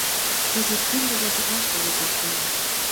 Кызыт тӱрлӧ газетлаште возат гойо.